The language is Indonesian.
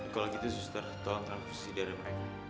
kalau gitu suster tolong transfusi dari mereka